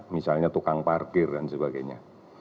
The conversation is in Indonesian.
misalnya tukang parkir dan sebagainya